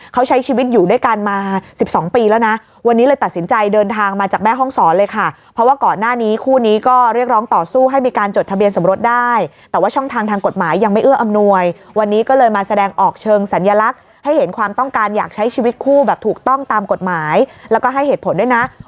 เขาใช้ชีวิตอยู่ด้วยกันมาสิบสองปีแล้วนะวันนี้เลยตัดสินใจเดินทางมาจากแม่ห้องศรเลยค่ะเพราะว่าก่อนหน้านี้คู่นี้ก็เรียกร้องต่อสู้ให้มีการจดทะเบียนสมรสได้แต่ว่าช่องทางทางกฎหมายยังไม่เอื้ออำนวยวันนี้ก็เลยมาแสดงออกเชิงสัญลักษณ์ให้เห็นความต้องการอยากใช้ชีวิตคู่แบบถูกต้องตามกฎหมายแล้วก็ให้เหตุผลด้วยนะ